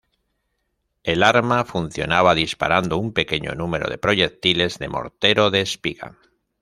El arma funcionaba disparando un pequeño número de proyectiles de mortero de espiga.